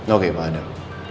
oke pak adam